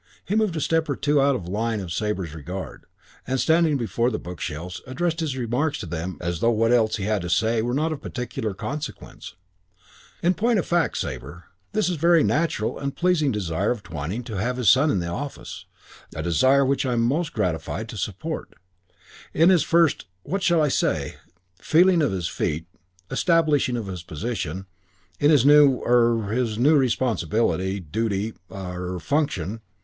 He moved a step or two out of the line of Sabre's regard, and standing before the bookshelves, addressed his remarks to them as though what else he had to say were not of particular consequence "In point of fact, Sabre, this very natural and pleasing desire of Twyning to have his son in the office, a desire which I am most gratified to support, is his first what shall I say? feeling of his feet establishing of his position in his new er in his new responsibility, duty er function.